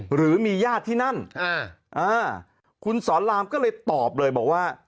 หรือมีญาติที่นั่นคุณสอนรามก็เลยตอบเลยบอกว่า